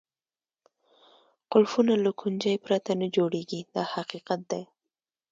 قلفونه له کونجۍ پرته نه جوړېږي دا حقیقت دی.